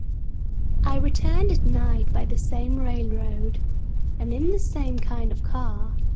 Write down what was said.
I returned at night by the same railroad and in the same kind of car.